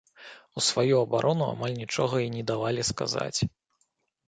У сваю абарону амаль нічога і не давалі сказаць.